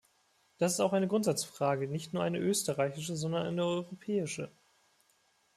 Das ist auch eine Grundsatzfrage, nicht nur eine österreichische, sondern eine europäische.